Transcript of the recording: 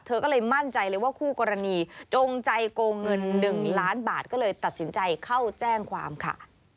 เธอก็เลยมั่นใจเลยว่าคู่กรณีจงใจโกงเงิน๑ล้านบาทก็เลยตัดสินใจเข้าแจ้งความค่ะ